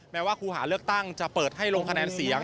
แม้ว่าครูหาเลือกตั้งจะเปิดให้ลงคะแนนเสียง